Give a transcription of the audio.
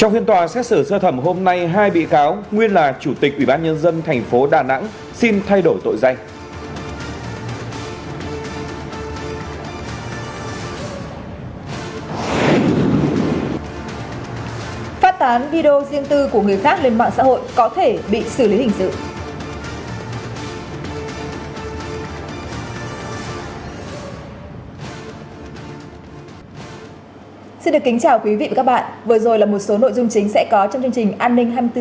hãy đăng ký kênh để ủng hộ kênh của chúng mình nhé